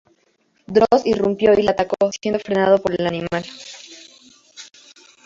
Droz irrumpió y le atacó, siendo frenado por Animal.